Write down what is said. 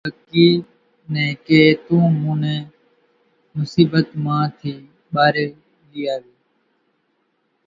ڪڪِي نين ڪي تون مون نين مصيٻت مان ٿي ٻارين لئي آوي۔